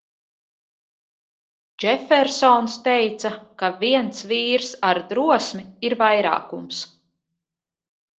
Džefersons teica, ka viens vīrs ar drosmi ir vairākums.